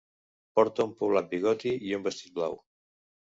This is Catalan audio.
Porta un poblat bigoti i un vestit blau.